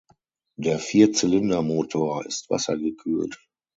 Der Vierzylindermotor ist wassergekühlt.